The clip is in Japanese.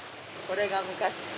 これが昔。